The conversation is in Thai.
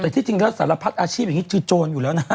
แต่สารพัดอาชีพอย่างนี้คือโจรอยู่แล้วนะ